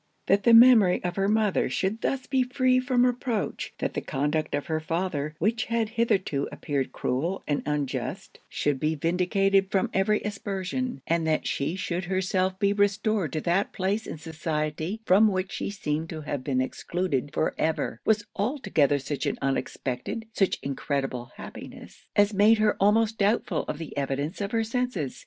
That the memory of her mother should thus be free from reproach; that the conduct of her father, which had hitherto appeared cruel and unjust, should be vindicated from every aspersion; and that she should herself be restored to that place in society from which she seemed to be excluded for ever; was altogether such unexpected, such incredible happiness, as made her almost doubtful of the evidence of her senses.